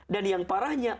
dan yang parahnya